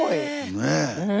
ねえ。